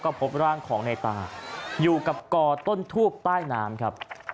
พบร่างของในตาอยู่กับกอต้นทูบใต้น้ำครับ